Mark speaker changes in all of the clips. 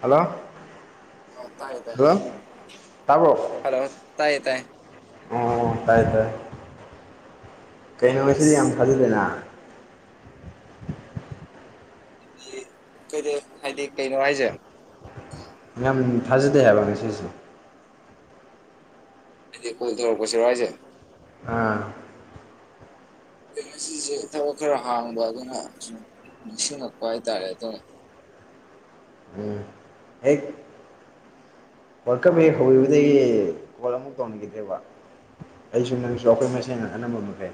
Speaker 1: hello
Speaker 2: ꯑꯧ ꯇꯥꯏ ꯇꯥꯏ
Speaker 1: ꯍꯜꯂꯣ ꯇꯥꯕ꯭ꯔꯣ
Speaker 2: ꯍꯜꯂꯣ ꯇꯥꯏꯌ‌ꯦ ꯇꯥꯏ
Speaker 1: ꯑꯣ ꯇꯥꯏ ꯇꯥꯏ ꯀꯩꯅꯣ ꯉꯁꯤꯗꯤ ꯌꯥꯝ
Speaker 2: ꯑꯁ
Speaker 1: ꯊꯥꯖꯗꯅ
Speaker 2: [unintelligible] ꯍꯥꯏꯗꯤ ꯀꯩꯅꯣ ꯍꯥꯏꯖ‌ꯦ
Speaker 1: ꯌꯥꯝ ꯊꯥꯖꯗꯦ ꯍꯥꯏꯕ ꯉꯁꯤꯁꯤ
Speaker 2: ꯑꯗꯤ ꯀꯣꯜ ꯇꯧꯔꯛꯄꯁꯤꯔ‌ꯣ ꯍꯥꯏꯖ‌ꯦ
Speaker 1: ꯑꯥ
Speaker 2: ꯑꯩ ꯉꯁꯤꯁꯦ ꯊꯕꯛ ꯈꯔ ꯍꯥꯡꯕ ꯑꯗꯨꯅ ꯁꯨꯝ ꯅꯤꯡꯁꯤꯡꯉꯛꯄ ꯍꯥꯏꯇꯥꯔꯦ ꯑꯗ‌ꯣ
Speaker 1: ꯎꯝ ꯍ‌ꯦꯛ ꯋꯥꯔꯜ ꯀꯞ ꯍ‌ꯦꯛ ꯍꯧꯈꯤꯕꯗꯒꯤ ꯀꯣꯜ ꯑꯃꯨꯛ ꯇꯧꯅꯈꯤꯗ꯭ꯔ‌ꯦꯕꯥ ꯑꯩꯖꯨ ꯅꯪꯖꯨ ꯑꯩꯈꯣꯏ ꯃꯁꯦꯟ ꯑꯅꯝꯕ ꯃꯈꯩ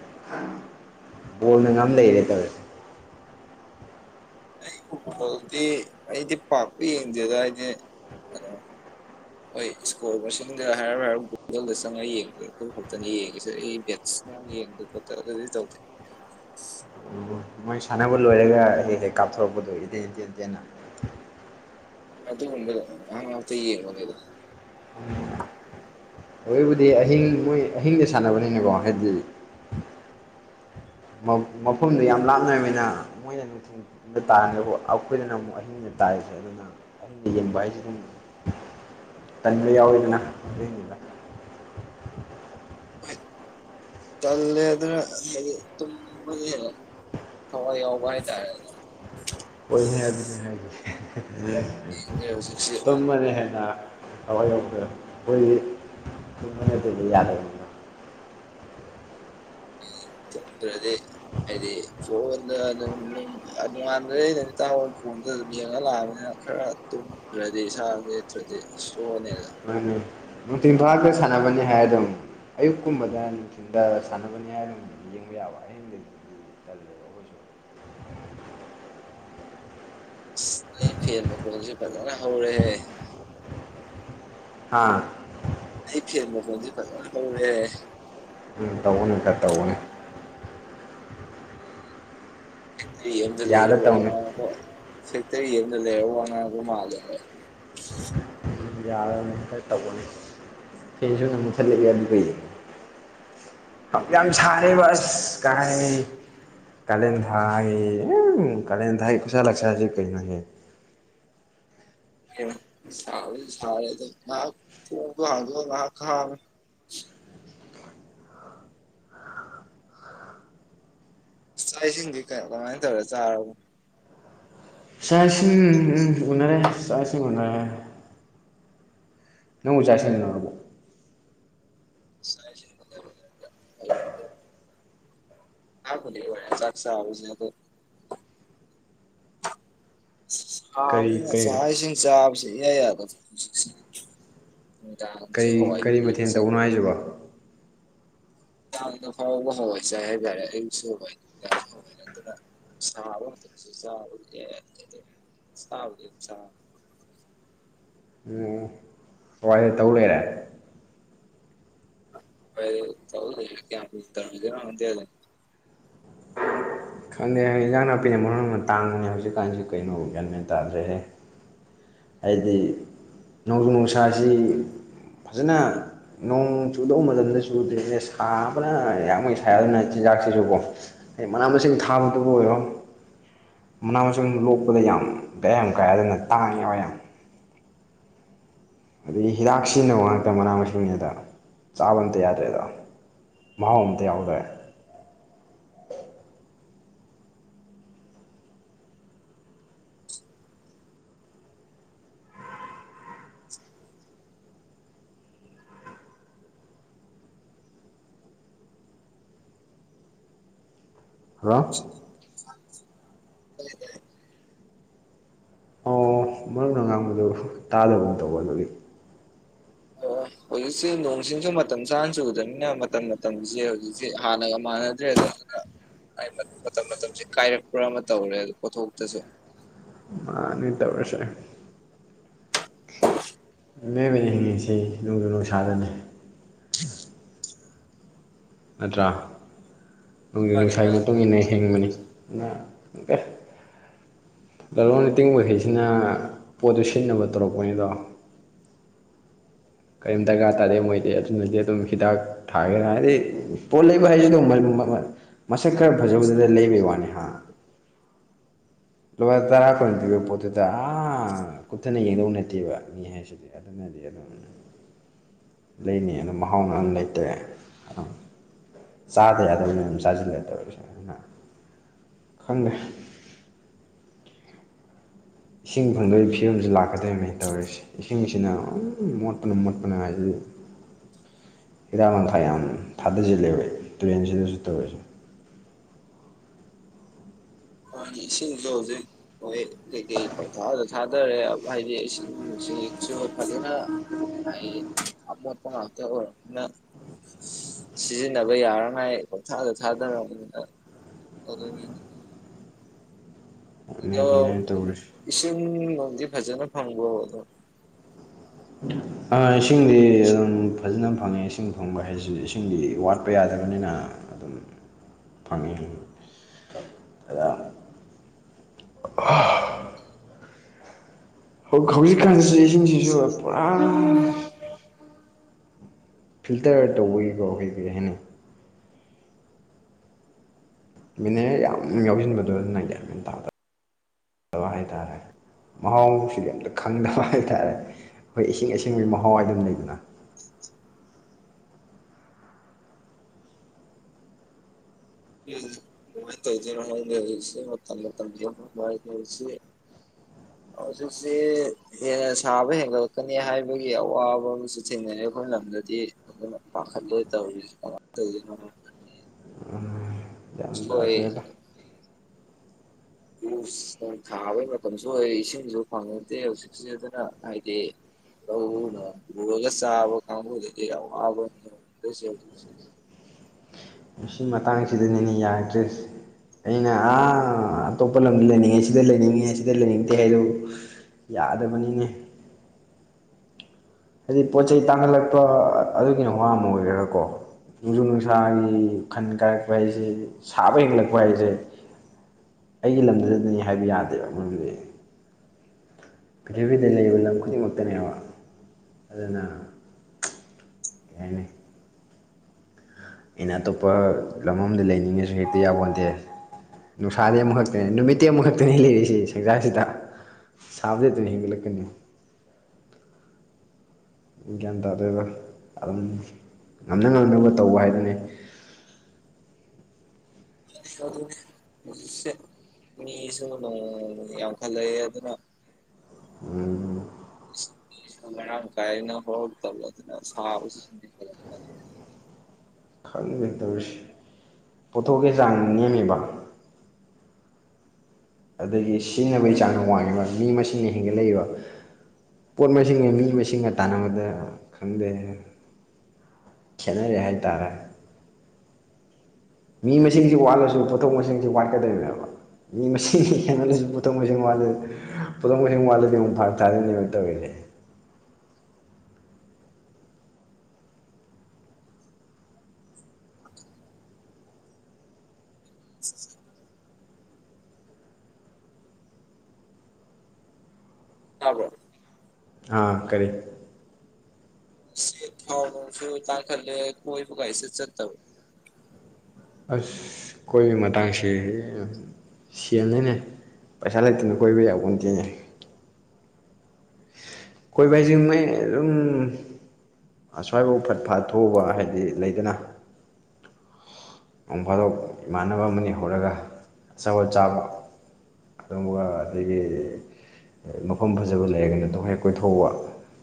Speaker 1: ꯕꯣꯜꯅ ꯉꯝ ꯂꯩꯔꯦ ꯇꯧ
Speaker 2: ꯑꯩ [unintelligible] ꯗꯤ ꯑꯩꯗꯤ ꯄꯥꯛꯄꯨ ꯌꯦꯡꯗꯦꯗꯥ ꯑꯩꯗꯤ ꯑꯗ‌ꯣ ꯍꯣꯏ ꯏꯁꯀꯣꯔ ꯃꯁꯤꯡꯗ ꯍꯥꯏꯔꯞ ꯍꯥꯏꯔꯞ ꯒꯨꯒꯜꯗ ꯆꯪꯉ ꯌꯦꯡ [unintelligible] ꯑꯗꯨ ꯈꯛꯇꯅꯤ ꯌꯦꯡꯉꯤꯁꯦ ꯑꯩ ꯃ‌ꯦꯠꯁ ꯅꯨ ꯅꯨꯡ ꯌꯦꯡꯗ ꯈꯣꯠꯇꯒꯗꯤ ꯇꯧꯗ‌ꯦ
Speaker 1: ꯎꯝ ꯃꯣꯏ ꯁꯥꯟꯅꯕ ꯂꯣꯏꯔꯒ ꯍꯦꯛ ꯍꯦꯛ ꯀꯥꯞꯊꯣꯔꯛꯄꯗꯣ ꯏꯇꯦꯟ ꯏꯇꯦꯟꯇꯦꯟꯅ
Speaker 2: ꯑꯗꯨꯒꯨꯝꯕꯗꯣ ꯉꯍꯥꯛ ꯉꯍꯥꯛꯇ ꯌꯦꯡꯕꯅꯤ
Speaker 1: ꯑꯗꯨꯕꯨꯗꯤ ꯑꯍꯤꯡ ꯃꯣꯏ ꯑꯍꯤꯡꯗ ꯁꯥꯟꯅꯕꯅꯤꯅꯀꯣ ꯍꯥꯏꯗꯤ ꯃ ꯃꯐꯝꯗꯨ ꯌꯥꯝ ꯂꯥꯞꯅꯔꯝꯅꯤꯅ ꯃꯣꯏꯅ ꯅꯨꯡꯊꯤꯟ [unintelligible] ꯑꯩꯈꯣꯏꯗꯅ ꯑꯃꯨꯛ ꯑꯍꯤꯡꯗ ꯇꯥꯏꯁꯦ ꯑꯗꯨꯅ ꯑꯍꯤꯡꯗ ꯌꯦꯡꯕ ꯍꯥꯏꯁꯤ ꯑꯗꯨꯝ ꯇꯟꯕ ꯌꯥꯎꯋꯤꯗꯅ ꯑꯗꯨꯏꯅꯤꯗ
Speaker 2: ꯇꯜꯂꯦ ꯑꯗꯨꯅ ꯍꯥꯏꯗꯤ ꯇꯨꯝꯕ [unintelligible] ꯊꯋꯥꯏ ꯌꯥꯎꯕ ꯍꯥꯏ ꯇꯥꯔꯦ [unintelligible]
Speaker 1: ꯍ‌ꯣꯏꯍ‌ꯦ ꯑꯗꯨꯅꯦ ꯍꯥꯏ
Speaker 2: ꯍꯧꯖꯤꯛꯁꯤ
Speaker 1: [unintelligible] ꯇꯨꯝꯕꯅ ꯍꯦꯟꯅꯥ ꯊꯥꯋꯥꯏ ꯌꯥꯎꯈ꯭ꯔꯥ ꯈꯣꯏꯗꯤ ꯇꯨꯝꯕ ꯅꯠꯇꯗꯤ ꯌꯥ [unintelligible]
Speaker 2: ꯆꯠꯇ꯭ꯔꯗꯤ ꯍꯥꯏꯗꯤ ꯐꯣꯟꯗ ꯑꯗꯨꯝ ꯅꯣꯡꯉꯥꯟꯗꯩ ꯅꯨꯃꯤꯠ ꯇꯥꯕ ꯐꯣꯟꯗ ꯑꯗꯨꯝ ꯌꯦꯡꯉ ꯂꯥꯛꯑꯕꯅꯤꯅ ꯈꯔ ꯇꯨꯝꯗ꯭ꯔꯗꯤ ꯏꯁꯥꯖꯦ ꯅꯠꯇ꯭ꯔꯗꯤ ꯁꯣꯛꯑꯅꯦꯗ
Speaker 1: ꯃꯥꯅꯦ ꯅꯨꯡꯊꯤꯟꯕꯥꯛꯇ ꯁꯥꯟꯅꯕꯅꯤ ꯍꯥꯏ ꯑꯗꯨꯝ ꯑꯌꯨꯛꯀꯨꯝꯕꯗ ꯅꯨꯡꯊꯤꯟꯗ ꯁꯥꯟꯅꯕꯅꯤ ꯍꯥꯏꯔꯗꯤ ꯑꯗꯨꯝ ꯌꯦꯡꯕ ꯌꯥꯕ ꯑꯍꯤꯡꯗ
Speaker 2: [inaudible] ꯑꯩ ꯐꯦꯟ ꯃꯈꯣꯟꯖꯦ ꯐꯖꯅ ꯍꯧꯔꯦꯍꯦ
Speaker 1: ꯍꯥꯥ
Speaker 2: ꯑꯩ ꯐꯦꯟ ꯃꯈꯣꯟꯖꯦ ꯐꯖꯅ ꯍꯧꯔꯦꯍꯦ
Speaker 1: ꯎꯝ ꯇꯧꯕꯅꯦ ꯈꯔ ꯇꯧꯕꯅꯦ
Speaker 2: ꯗꯤ ꯑꯦꯝꯗ
Speaker 1: ꯌꯥꯗ
Speaker 2: ꯂꯩꯔꯒ ꯋꯥ
Speaker 1: ꯇꯧꯅꯤ
Speaker 2: ꯉꯥꯡꯉꯛꯄ ꯁꯦꯛꯇ꯭ꯔꯒꯤ ꯌꯦꯡꯗ ꯂꯩꯔ ꯋꯥ ꯉꯥꯡꯉꯛꯄ ꯃꯥꯜꯂꯦ
Speaker 1: ꯌꯥꯔꯝꯅꯦ ꯈꯔ ꯇꯧꯕꯅꯦ ꯐꯦꯟꯖꯨꯁꯨ ꯑꯃꯨꯛ ꯃꯨꯊꯠꯂꯛꯏ ꯑꯗꯨ ꯀꯩꯌꯦꯡ ꯑꯞ ꯌꯥꯝ ꯁꯥꯔꯦꯕ ꯑꯁ ꯀꯥꯏ ꯀꯥꯂꯦꯟ ꯊꯥꯒꯤ ꯀꯥꯂꯦꯟ ꯊꯥꯒꯤ ꯈꯨꯁꯥ ꯂꯛꯁꯥꯁꯦ ꯀꯩꯅꯣꯅꯦꯍꯦ
Speaker 2: ꯁꯥꯕꯨꯗꯤ ꯁꯥꯔꯦ ꯑꯗꯨ ꯉꯍꯥꯛ ꯊꯣꯡꯗꯨ ꯍꯥꯡꯗꯣꯛꯑ‌ ꯉꯍꯥꯛ ꯈꯥꯡꯉꯨ ꯆꯥꯛ ꯏꯁꯤꯡꯗꯤ ꯀꯃꯥꯏ ꯇꯧꯔꯦ ꯆꯥꯔꯕꯣ
Speaker 1: ꯆꯥꯛ ꯏꯁꯤꯡ ꯎꯝ ꯎꯅꯔꯦ ꯆꯥꯛ ꯏꯁꯤꯡ ꯎꯅꯔꯦ ꯅꯪꯕꯨ ꯆꯥꯛ ꯏꯁꯤꯡ ꯎꯟꯅꯔꯕꯣ
Speaker 2: ꯆꯥꯛ ꯏꯁꯤꯡ ꯎꯟꯅꯔꯕꯣ ꯍꯥꯛꯄꯨꯗꯤ ꯑꯣꯏꯔꯦ ꯆꯥꯛ ꯆꯥꯕꯁꯦ ꯑꯗꯣ
Speaker 1: ꯀꯔꯤ
Speaker 2: ꯍꯥꯕꯅꯤꯅ
Speaker 1: ꯀꯔꯤ
Speaker 2: ꯆꯥꯛ ꯏꯁꯤꯡ ꯆꯥꯕꯁꯦ ꯏꯌꯥ ꯌꯥꯗꯕ ꯍꯧꯖꯤꯛꯁꯦ ꯅꯨꯃꯤꯗꯥꯡꯗꯁꯨ ꯍꯋ꯭ꯥꯏ ꯄꯤ ꯃꯨꯛꯁꯨ
Speaker 1: ꯍꯥꯏꯖꯕ
Speaker 2: ꯅꯨꯃꯤꯗꯥꯡꯗꯐꯥꯎꯕ‌ ꯑꯋꯥꯏ ꯆꯥꯏ ꯍꯥꯌꯕ ꯇꯥꯔꯦ ꯑꯌꯨꯛꯁꯨ ꯍꯋꯥꯏ ꯅꯨꯃꯤꯗꯥꯡꯁꯨ ꯍꯋꯥꯏ [unintelligible]
Speaker 1: ꯑꯣ ꯍꯋꯥꯏꯗ ꯇꯧ ꯂꯩꯔꯦ
Speaker 2: ꯎꯄꯥꯏ ꯂꯩ ꯇꯧ ꯂꯩꯔꯦ ꯀꯌꯥꯝ ꯀꯨꯏ ꯇꯧꯔꯝꯒꯤꯗꯣꯏ ꯈꯪꯗꯦ ꯑꯗꯨꯝ
Speaker 1: ꯈꯪꯗꯦ ꯏꯟꯖꯥꯡ ꯅꯥꯄꯤꯅ ꯃꯔꯣꯟ ꯑꯃ ꯇꯥꯡꯕꯅꯦ ꯍꯧꯖꯤꯛꯀꯥꯟꯖꯤ ꯀꯩꯅꯣ ꯒꯌ꯭ꯥꯟ ꯃꯦꯟ ꯇꯥꯗ꯭ꯔꯦꯍꯦ ꯍꯥꯏꯗꯤ ꯅꯣꯡꯖꯨ ꯅꯨꯡꯁꯥꯁꯤ ꯐꯖꯅ ꯅꯣꯡ ꯆꯨꯗꯧ ꯃꯇꯝꯗ ꯆꯨꯗꯦꯍꯦ ꯁꯥꯕꯅ ꯌꯥꯝꯒꯩ ꯁꯥꯏ ꯑꯗꯨꯅ ꯆꯤꯟꯖꯥꯛꯁꯤꯁꯨꯀꯣ ꯑꯦ ꯃꯅꯥ ꯃꯁꯤꯡ ꯊꯥꯕꯗꯨꯕꯨ ꯑꯣꯏꯔꯣ ꯃꯅꯥ ꯃꯁꯤꯡ ꯂꯣꯛꯄꯗ ꯌꯥꯝ ꯕꯦꯔꯥ ꯌꯥꯝ ꯀꯥꯏ ꯑꯗꯨꯅ ꯇꯥꯡꯉꯦꯕ ꯌꯥꯝ ꯑꯗꯒꯤ ꯍꯤꯗꯥꯛ ꯁꯤꯖꯤꯟꯅꯕ ꯉꯥꯛꯇ ꯃꯅꯥ ꯃꯁꯤꯡꯖꯤꯗ ꯆꯥꯕ ꯑꯝꯇ ꯌꯥꯗ꯭ꯔꯦꯗꯣ ꯃꯍꯥꯎ ꯑꯝꯇ ꯌꯥꯎꯗ꯭ꯔꯦ
Speaker 2: ꯆ [inaudible]
Speaker 1: ꯍꯜꯂꯣ
Speaker 2: ꯇꯩꯌꯦ ꯇꯩꯌꯦ
Speaker 1: ꯑꯣ ꯃꯔꯨꯞꯅ ꯉꯥꯡꯕꯗꯨ ꯇꯥꯗꯕꯒꯨꯝ ꯇꯧꯕ ꯑꯗꯨꯒꯤ
Speaker 2: ꯑꯣ ꯍꯧꯖꯤꯛꯁꯦ ꯅꯣꯡ ꯆꯤꯡꯁꯨ ꯃꯇꯝ ꯆꯥꯅ ꯆꯨꯗꯝꯅꯤꯅ ꯃꯇꯝ ꯃꯇꯝꯒꯤꯁꯦ ꯍꯧꯖꯤꯛꯁꯦ ꯍꯥꯟꯅꯒ ꯃꯥꯟꯅꯗ꯭ꯔꯦꯗ ꯑꯗꯨꯅ ꯃꯥꯏ ꯃꯇꯝ ꯃꯇꯝꯁꯦ ꯀꯥꯏꯔꯛꯄ꯭ꯔꯥ ꯑꯃ ꯇꯧꯔꯦ ꯑꯗꯨ ꯄꯣꯊꯣꯛꯇꯁꯨ
Speaker 1: ꯃꯥꯅꯤ ꯇꯧꯔꯤꯁꯦ ꯃꯤꯑꯣꯏꯕꯅ ꯍꯤꯡꯉꯤꯁꯦ ꯅꯣꯡꯖꯨ ꯅꯨꯡꯁꯥꯗꯅꯤ ꯅꯠꯇ꯭ꯔꯥ ꯅꯣꯡꯖꯨ
Speaker 2: ꯃꯥꯅꯤ
Speaker 1: ꯅꯨꯡꯁꯥꯒꯤ
Speaker 2: ꯃꯥꯅꯤ
Speaker 1: ꯃꯇꯨꯡ ꯏꯟꯅ ꯍꯤꯡꯕꯅꯤ ꯏꯃ [inaudible] ꯂꯂꯣꯟ ꯏꯇꯤꯡꯕꯈꯩꯁꯤꯅ ꯄꯣꯠꯇꯨ ꯁꯤꯠꯅꯕ ꯇꯧꯔꯛꯄꯅꯤꯗꯣ ꯀꯔꯤꯝ ꯗ꯭ꯔꯀꯥꯔ ꯇꯥꯗꯦ ꯃꯣꯏꯗꯤ ꯑꯗꯨꯅꯗꯤ ꯑꯗꯨꯝ ꯍꯤꯗꯥꯛ ꯊꯥꯒꯦꯔ ꯍꯥꯏꯗꯤ ꯄꯣꯠ ꯂꯩꯕ ꯍꯥꯏꯁꯤꯗꯕꯨ ꯃꯜ ꯃꯁꯛ ꯈꯔ ꯐꯖꯕꯗꯨꯗ ꯂꯩꯕꯩ ꯋꯥꯅꯤ ꯍꯥ ꯂꯨꯄꯥ ꯇꯔꯥ ꯀꯨꯟ ꯄꯤꯕ ꯄꯣꯠꯇꯨꯗ ꯑ ꯀꯨꯞꯊꯅ ꯌꯦꯡꯗꯧ ꯅꯠꯇꯦꯕ ꯃꯤ ꯍꯥꯏꯁꯦ ꯑꯗꯨꯅꯗꯤ ꯑꯗꯨꯝ ꯂꯩꯅꯤ ꯑꯗꯨꯝ ꯃꯍꯥꯎꯅ ꯑꯗꯨꯝ ꯂꯩꯇ꯭ꯔꯦ ꯑꯗꯨꯝ ꯆꯥꯗ ꯌꯥꯗꯕꯅꯤ ꯑꯗꯨꯝ ꯆꯥꯁꯤꯜꯂꯦ ꯇꯧꯔꯤꯁꯦ ꯑꯩꯅ ꯈꯪꯗꯦ ꯏꯁꯤꯡ ꯐꯪꯗꯕꯒꯤ ꯐꯤꯕꯝꯁꯤ ꯂꯥꯛꯀꯗꯧꯔꯤꯕꯅꯤ ꯇꯧꯔꯤꯁꯦ ꯏꯁꯤꯡꯁꯤꯅ ꯑꯝ ꯃꯣꯠꯄꯅ ꯃꯣꯠꯄꯅ ꯍꯥꯏꯖꯤꯅꯤ ꯍꯤꯗꯥꯛ ꯂꯥꯡꯊꯥ ꯌꯥꯝ ꯊꯥꯗꯁꯤꯜꯂꯦꯕ ꯇꯨꯔꯦꯜꯁꯤꯗꯁꯨ ꯇꯧꯔꯤꯁꯦ
Speaker 2: ꯍꯥꯟꯅꯒꯤ ꯏꯁꯤꯡꯗꯣ ꯍꯧꯖꯤꯛ ꯍꯣꯏ ꯀꯩꯀꯩ ꯄꯪꯊꯥꯗ ꯊꯥꯗꯔꯦ ꯍꯥꯏꯗꯤ ꯏꯁꯤꯡ ꯅꯨꯡꯁꯤꯠꯁꯨ ꯐꯖꯅ ꯑꯩ ꯑꯃꯣꯠꯄ ꯉꯥꯛꯇ ꯑꯣꯏꯔꯕꯅꯤꯅ ꯁꯤꯖꯤꯟꯅꯕ ꯌꯥꯔꯔꯣꯏ ꯍꯥꯏ ꯄꯪꯊꯥꯗ ꯊꯥꯗꯔꯕꯅꯤꯅ ꯑꯗꯨꯅꯤꯅꯦ
Speaker 1: ꯑꯗꯨꯅꯦ
Speaker 2: ꯑꯗꯣ
Speaker 1: ꯑꯗꯨꯃꯥꯏꯅ ꯇꯧꯔꯤꯁꯦ
Speaker 2: ꯏꯁꯤꯡ ꯕꯥꯎꯗꯤ ꯐꯖꯅ ꯐꯪꯕꯔꯣ
Speaker 1: ꯑꯥ ꯏꯁꯤꯡꯗꯤ ꯑꯗꯨꯝ ꯐꯖꯅ ꯐꯪꯉꯦ ꯏꯁꯤꯡ ꯐꯪꯕ ꯍꯥꯏꯕꯁꯤꯁꯨ ꯏꯁꯤꯡꯗꯤ ꯋꯥꯠꯄ ꯌꯥꯗꯕꯅꯤꯅ ꯑꯗꯨꯝ ꯐꯪꯉꯤ ꯑꯗ ꯍꯧ ꯍꯧꯖꯤꯛꯀꯥꯟꯁꯤ ꯏꯁꯤꯡꯥꯤꯖꯨ ꯄꯨꯔꯥ
Speaker 2: ꯀꯃꯥꯏꯅ
Speaker 1: ꯐꯤꯜꯇꯔ ꯇꯧꯕꯒꯤꯀꯣ ꯀꯩ ꯀꯩ ꯍꯥꯏꯅꯩ ꯃꯤꯅꯔꯜ ꯌꯥꯝ ꯌꯥꯎꯁꯤꯟꯕꯗꯣ ꯑꯗꯨꯅ ꯌꯥꯝ ꯇꯗꯕ ꯍꯥꯏ ꯇꯥꯔꯦ ꯃꯍꯥꯎꯁꯤꯗꯤ ꯑꯝꯇ ꯈꯪꯗꯕ ꯍꯥꯏꯇꯥꯔꯦ ꯑꯩꯈꯣꯏ ꯏꯁꯤꯡ ꯑꯁꯦꯡꯕꯒꯤ ꯃꯍꯥꯎ ꯍꯥꯏꯗꯣ ꯑꯝ ꯂꯩꯗꯅ
Speaker 2: [inaudible] ꯀꯃꯥꯟ ꯇꯧꯗꯨꯏꯅꯣ ꯈꯡꯗꯦ ꯍꯧꯖꯤꯛꯁꯦ ꯃꯇꯝ ꯃꯇꯝꯒꯤ [unintelligible] ꯍꯧꯖꯤꯛꯁꯦ ꯍꯦꯟꯅ ꯁꯥꯕ ꯍꯦꯟꯒꯠꯂꯛꯀꯅꯤ ꯍꯥꯏꯕꯒꯤ ꯑꯋꯥꯕ ꯑꯃꯁꯨ ꯊꯦꯡꯅꯔꯦ ꯑꯩꯈꯣꯏ ꯂꯝꯗꯗꯤ ꯑꯗꯨꯅ ꯄꯥꯈꯠꯂꯦ ꯇꯧꯔꯤꯁꯦ ꯀꯃꯥꯏꯟ ꯇꯧꯗꯨꯏꯅꯣ ꯈꯪꯗꯦ ꯁꯣꯏ
Speaker 1: [unintelligible]
Speaker 2: ꯎꯁ ꯐꯧ ꯊꯥꯕꯩ ꯃꯇꯝꯁꯨ ꯑꯣꯏꯔꯦ ꯏꯁꯤꯡꯁꯨ ꯐꯪꯉꯛꯇꯦ ꯍꯧꯖꯤꯛꯁꯤ ꯑꯗꯨꯅ ꯍꯥꯏꯗꯤ ꯂꯧ ꯎꯔ ꯆꯥꯕ ꯀꯥꯡꯕꯨꯗꯨꯗꯤ ꯑꯋꯥꯕꯃꯅꯤ ꯑꯣꯏꯗꯨꯏꯁꯦ ꯍꯧꯖꯤꯛꯁꯦ
Speaker 1: ꯁꯤ ꯃꯇꯥꯡꯁꯤꯗꯅꯤꯅꯦ ꯌꯥꯔꯛꯇ꯭ꯔꯤꯁꯦ ꯑꯩꯅ ꯑꯥ ꯑꯇꯣꯞꯄ ꯂꯝꯗ ꯂꯩꯅꯤꯡꯉꯦ ꯁꯤꯗ ꯂꯩꯅꯤꯡꯉꯦ ꯁꯤꯗ ꯂꯩꯅꯤꯡꯗꯦ ꯍꯥꯏꯗꯣ ꯌꯥꯗꯕꯅꯤꯅꯦ ꯍꯥꯏꯗꯤ ꯄꯣꯠ ꯆꯩ ꯇꯥꯡꯈꯠꯂꯛꯄ ꯑꯗꯨꯒꯤꯅ ꯋꯥ ꯑꯃ ꯑꯣꯏꯔꯒꯀꯣ ꯅꯣꯡꯖꯨ ꯅꯨꯡꯁꯥꯒꯤ ꯈꯟ ꯀꯥꯏꯔꯛꯄ ꯍꯥꯏꯁꯦ ꯁꯥꯕ ꯍꯦꯟꯀꯠꯂꯛꯄ ꯍꯥꯏꯁꯦ ꯑꯩꯒꯤ ꯂꯝꯗꯨꯗꯅꯤ ꯍꯥꯏꯕꯗꯤ ꯌꯥꯗꯦꯕ ꯑꯃꯔꯣꯝꯗꯗꯤ ꯄ꯭ꯔꯤꯊꯤꯕꯤꯗ ꯂꯩꯔꯤꯕ ꯂꯝ ꯈꯨꯗꯤꯡꯃꯛꯇꯅꯦꯕ ꯑꯗꯨꯅ ꯀꯩ ꯍꯥꯏꯅꯤ ꯑꯩꯅ ꯑꯇꯣꯞꯄ ꯂꯝ ꯑꯃꯗ ꯂꯩꯅꯤꯡꯉꯦꯁꯨ ꯍꯦꯛꯇ ꯌꯥꯄꯣꯟꯇꯦ ꯅꯨꯡꯁꯥꯗꯤ ꯑꯃꯨꯈꯛꯇꯅꯦ ꯅꯨꯃꯤꯠꯇꯤ ꯑꯃꯨꯈꯛꯇꯅꯤ ꯂꯩꯔꯤꯁꯦ ꯁꯪꯁꯥꯔꯁꯤꯗ ꯁꯕꯗꯤ ꯗꯨꯝ ꯍꯦꯟꯒꯠꯂꯛꯀꯅꯤ ꯒ꯭ꯌꯥꯟ ꯇꯥꯗꯦꯗ ꯑꯗꯨꯝ ꯉꯝꯅ ꯉꯝꯅꯕ ꯇꯧꯕ ꯍꯥꯏꯗꯨꯅꯤ
Speaker 2: ꯑꯗꯨꯅꯦ ꯍꯧꯖꯤꯛꯁꯦ ꯃꯤꯁꯨ ꯅꯣꯡꯃ ꯅꯣꯡꯃꯒꯤ ꯌꯥꯝꯈꯠꯂꯛꯑꯦ ꯑꯗꯨꯅ
Speaker 1: ꯎꯝ
Speaker 2: ꯃꯔꯥꯡ ꯀꯥꯏꯅ ꯍꯧꯔꯛꯇꯕ ꯑꯗꯨꯅ ꯁꯥꯕꯁꯨ ꯁꯨꯝ ꯍꯦꯟꯒꯠꯂꯛꯄ
Speaker 1: ꯈꯪꯗꯦ ꯇꯧꯔꯤꯁꯦ ꯄꯣꯠꯊꯣꯛꯀꯤ ꯆꯥꯡꯅ ꯅꯦꯝꯃꯤꯕ ꯑꯗꯒꯤ ꯁꯤꯖꯤꯟꯅꯕꯒꯤ ꯆꯥꯡꯅ ꯋꯥꯡꯉꯤꯕ ꯃꯤ ꯃꯁꯤꯡꯅ ꯍꯦꯟꯒꯠꯂꯛꯏꯕ ꯄꯣꯠ ꯃꯁꯤꯡꯒ ꯃꯤ ꯃꯁꯤꯡꯒ ꯇꯥꯟꯅꯕꯗ ꯈꯪꯗꯦꯅꯦ ꯈꯦꯠꯅꯔꯦ ꯍꯥꯏꯇꯥꯔꯦ ꯃꯤ ꯃꯁꯤꯡꯁꯦ ꯋꯥꯠꯂꯁꯨ ꯄꯣꯠꯊꯣꯛ ꯃꯁꯤꯡꯁꯨ ꯋꯥꯠꯀꯗꯨꯏꯅꯦꯕ ꯃꯤ ꯃꯁꯤꯡ ꯍꯦꯟꯒꯠꯂꯛꯑꯁꯨ ꯄꯣꯠꯊꯣꯛ ꯃꯁꯤꯡ ꯋꯥꯠꯂꯦ ꯄꯣꯠꯊꯣꯛ ꯃꯁꯤꯡ ꯋꯥꯠꯂꯗꯤ ꯑꯃꯨꯛ ꯐꯥꯔꯛ ꯇꯥꯗꯨꯏꯅꯦ ꯌꯦꯡꯉꯣ ꯇꯧꯔꯤꯁꯦ
Speaker 2: [inaudible] [inaudible] ꯇꯥꯕ꯭ꯔꯣ
Speaker 1: ꯑ ꯀꯔꯤ
Speaker 2: ꯁꯦ ꯊꯥꯎ ꯅꯨꯡꯁꯨ ꯇꯥꯡꯈꯠꯂꯦ ꯀꯣꯏꯕꯒꯥꯏꯁꯦ ꯆꯠꯇꯕ
Speaker 1: ꯑꯁ ꯀꯣꯏꯕꯩ ꯃꯇꯥꯡꯁꯦ ꯁꯦꯜꯅꯤꯅꯦ ꯄꯩꯁꯥ ꯂꯩꯇꯅ ꯀꯣꯏꯕ ꯌꯥꯄꯣꯟꯇꯦꯅꯦ ꯀꯣꯏꯕꯥ ꯍꯥꯏꯁꯦꯃꯦ ꯑꯗꯨꯝ ꯑꯁ꯭ꯋꯥꯏꯐꯧ ꯐꯠ ꯐꯥꯠꯊꯎꯕ ꯍꯥꯏꯗꯤ ꯂꯩꯗꯅ ꯅꯣꯡ ꯐꯥꯗꯣꯛ ꯏꯃꯥꯟꯅꯕ ꯑꯃꯅꯤ ꯍꯧꯔꯒ ꯑꯆꯄꯣꯠ ꯆꯥꯕ ꯑꯗꯨꯒꯝꯕ ꯑꯗꯒꯤ ꯃꯐꯝ ꯐꯖꯕ ꯂꯩꯔꯒꯅꯣ ꯍꯦꯛ ꯀꯣꯏꯊꯣꯛꯧꯕ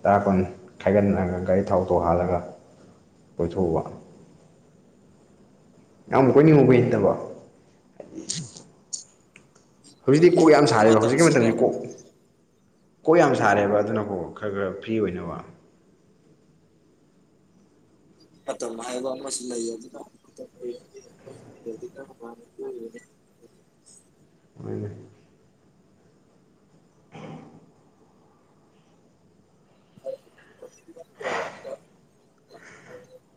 Speaker 1: ꯇꯔꯥ ꯀꯨꯟ ꯈꯥꯏꯒꯠꯒ ꯒꯥꯔꯤ ꯊꯥꯎ ꯊꯧ ꯍꯥꯜꯂꯒ ꯀꯣꯏꯊꯣꯛꯎꯕ ꯌꯥꯝ ꯀꯣꯏꯅꯤꯡꯕ ꯑꯣꯏꯩꯗꯕ [unintelligible] ꯍꯧꯖꯤꯛꯇꯤ
Speaker 2: ꯍꯣꯏꯗꯤ
Speaker 1: ꯀꯣꯛ ꯌꯥꯝ
Speaker 2: ꯍꯧꯖꯤꯛ
Speaker 1: ꯁꯥꯔꯤꯕꯦꯕ ꯍꯧꯖꯤꯛꯀꯤ
Speaker 2: ꯃꯇꯝꯁꯤꯗ
Speaker 1: ꯃꯇꯝꯁꯤ ꯀꯣꯛ ꯀꯣꯛ ꯌꯥꯝ ꯁꯥꯔꯦꯕ ꯑꯗꯨꯅꯀꯣ ꯈꯔ ꯈꯔ ꯐ꯭ꯔꯤ ꯑꯣꯏꯅꯕ
Speaker 2: ꯑꯣ ꯃꯥꯌꯥꯝꯕ ꯑꯃꯁ ꯂꯩ ꯑꯗꯨ ꯑꯦꯗꯤꯅꯅꯦ
Speaker 1: ꯍꯣꯏꯅꯦ
Speaker 2: [unintelligible]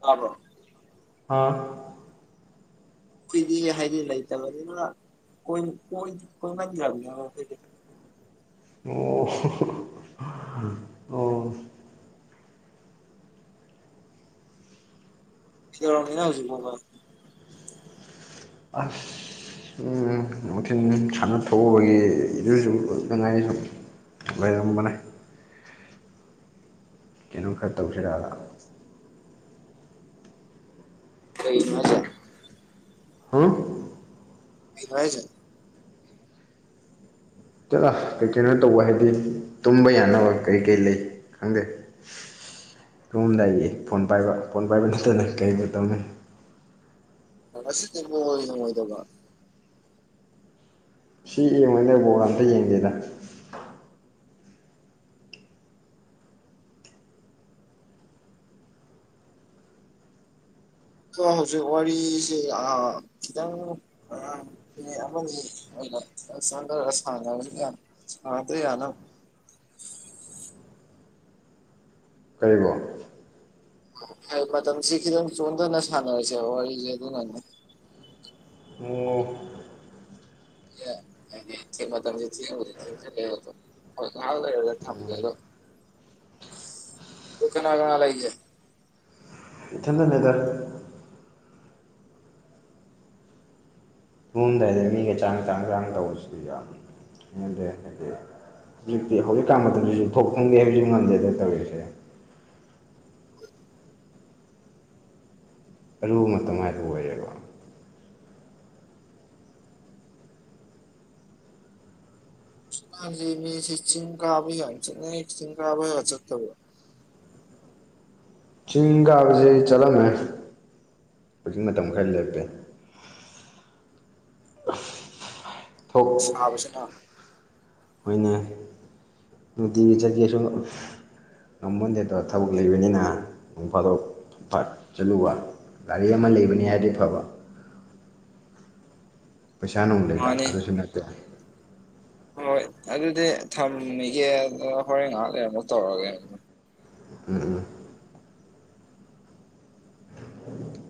Speaker 2: ꯇꯕꯣ
Speaker 1: ꯍꯥꯥ
Speaker 2: ꯑꯩꯈꯣꯏꯗꯤ ꯍꯥꯏꯗꯤ ꯂꯩꯇꯕꯅꯤꯅꯣꯏ ꯀꯣꯏꯍꯟꯗ꯭ꯔꯕꯅꯦꯕ ꯑꯩꯈꯣꯏꯗꯤ
Speaker 1: ꯑꯣ
Speaker 2: ꯁꯤꯅ ꯍꯧ ꯎꯆ ꯀꯣ
Speaker 1: ꯑꯐ ꯑꯣ ꯅꯨꯡꯊꯤꯟ ꯁꯥꯟꯅ ꯊꯣꯛꯎꯕꯒꯤ ꯑꯗꯨꯁꯨꯉꯥꯏ ꯁꯨꯝ ꯂꯩꯔꯝꯕꯅꯦ ꯀꯩꯅꯣ ꯈꯔ ꯇꯧꯁꯤꯔꯛꯑ
Speaker 2: ꯀ ꯃꯖꯥ
Speaker 1: ꯍꯥ
Speaker 2: ꯔꯖ
Speaker 1: ꯀꯩ ꯀꯩꯅꯣ ꯇꯧꯕ ꯍꯥꯏꯗꯤ ꯇꯨꯝꯕ ꯌꯥꯅꯕ ꯀꯔꯤ ꯀꯔꯤ ꯂꯩ ꯈꯪꯗꯦ ꯅꯣꯝꯗ ꯑꯩꯒꯤ ꯐꯣꯟ ꯄꯥꯏꯕ ꯐꯣꯟ ꯄꯥꯏꯕ ꯅꯠꯇꯅ ꯀꯩꯨꯝꯣ ꯇꯧꯅꯤ
Speaker 2: ꯑꯁꯤꯗꯤꯕ ꯅꯨꯡꯉꯣꯏꯗꯕ
Speaker 1: ꯁꯤ ꯌꯦꯡꯉꯣꯏꯗ ꯣ ꯑꯝꯇ ꯌꯦꯡꯒꯦꯗ
Speaker 2: ꯑ ꯍꯧꯖꯤꯛ ꯋꯥꯔꯤꯁꯤ ꯈꯤꯇꯪ ꯑꯗꯔ ꯁꯗꯔꯤ ꯌꯥꯅ
Speaker 1: ꯀꯔꯤꯕꯣ
Speaker 2: ꯍ ꯃ ꯃꯇꯝꯝ ꯁꯤꯈꯤꯈꯤꯗ ꯆꯣꯡꯗ ꯅ ꯁꯥꯟꯅ ꯑꯣꯏꯔꯁ ꯋꯥꯔꯤ ꯑꯗꯨ ꯅ
Speaker 1: ꯑꯣ
Speaker 2: ꯃ ꯃꯇꯝꯦ ꯆ ꯂꯩ ꯂꯗ ꯊ ꯀꯅꯥ ꯀꯅꯥ ꯂꯥꯛꯖꯦ
Speaker 1: ꯏꯊꯦꯟꯗꯅꯦꯗꯔ ꯌꯝꯗꯥꯏꯗ ꯃꯤꯒ ꯆꯥꯡ ꯆꯥꯡ ꯆꯥꯡ ꯇꯧꯕꯁꯨ ꯌꯥꯝ ꯈꯗꯦ ꯍꯥꯏꯗꯤ ꯍꯧꯖꯤꯛꯇꯤ ꯍꯧꯖꯤꯛꯀꯥꯟ ꯃꯇꯝꯗꯁꯨ ꯌꯨꯝꯊꯣꯛ ꯐꯪꯗꯦ ꯍꯥꯏꯕꯁꯨ ꯉꯝꯗꯦꯗꯅ ꯇꯧꯔꯤꯁꯦ ꯑꯔꯨꯕ ꯃꯇꯝ ꯍꯥꯏꯕ ꯑꯣꯏꯔꯌꯦ
Speaker 2: ꯃꯤ ꯁꯤ ꯆꯤꯡ ꯀꯥ ꯑꯕꯨ ꯌꯥꯁꯦ ꯅ ꯆꯤꯡ ꯀꯥ ꯑꯕ ꯌꯥꯆ ꯊꯕꯣ
Speaker 1: ꯆꯤꯡ ꯀꯥꯕꯁꯤ ꯆꯠꯂꯝꯃꯦ ꯍꯧꯖꯤꯡ ꯃꯇꯝ ꯈꯔ ꯂꯦꯞꯄꯤꯦ
Speaker 2: ꯥꯕꯕꯁꯤꯅ
Speaker 1: ꯑꯩꯣꯏ ꯑꯣꯏꯅ ꯅꯨꯡꯇꯤꯒꯤ ꯆꯠꯀꯦ ꯁ ꯉꯃꯣꯟꯗꯦꯗ ꯊꯕꯛ ꯂꯩꯕꯅꯤꯅ ꯅꯣꯡ ꯐꯥꯗꯣꯛ ꯆꯠꯂꯨꯕ ꯒꯥꯔꯤ ꯑꯃ ꯂꯩꯕꯅꯤ ꯍꯥꯏꯕꯗꯤ ꯐꯕ ꯄꯩꯁꯥ ꯅꯨꯡ ꯂꯩꯗ
Speaker 2: ꯃꯥꯅꯤ
Speaker 1: ꯑꯗꯨꯁꯨ ꯅꯠꯇꯦ
Speaker 2: ꯍꯣꯏ ꯑꯗꯨꯗꯤ ꯊꯝꯃꯤꯒꯦ ꯍꯣꯔꯦꯟ ꯉꯥꯏꯍꯥꯛ ꯂꯩ ꯑꯃꯨꯛ ꯇꯧꯔꯛꯑꯒꯦ
Speaker 1: ꯎꯝ ꯎꯝ